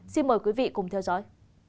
xin mời quý vị cùng theo dõi